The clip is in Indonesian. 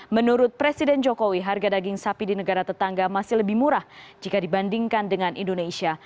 menurut presiden jokowi harga daging sapi di negara tetangga masih lebih murah jika dibandingkan dengan indonesia